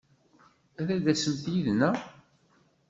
Ad d-tasemt yid-neɣ!